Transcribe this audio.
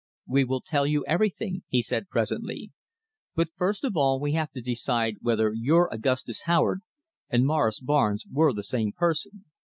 "We will tell you everything," he said presently. "But first of all we have to decide whether your Augustus Howard and Morris Barnes were the same person.